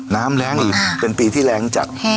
แรงอีกเป็นปีที่แรงจัด